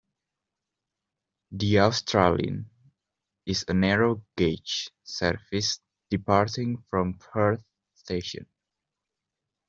The "Australind" is a narrow gauge service departing from Perth station.